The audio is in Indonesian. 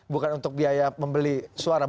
bukan untuk biaya membeli suara